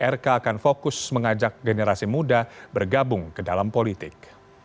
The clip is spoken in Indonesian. rk akan fokus mengajak generasi muda bergabung ke dalam politik